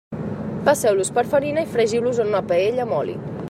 Passeu-los per farina i fregiu-los en una paella amb oli.